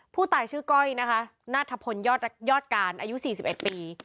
ผู้ตายชื่อก้อยนะคะนาธพลยอดการอายุ๔๑ปี